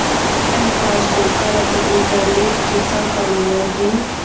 ایا تاسي کله په انټرنيټ کې څه پلورلي دي؟